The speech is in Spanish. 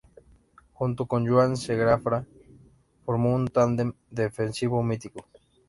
Junto con Joan Segarra formó un tándem defensivo mítico.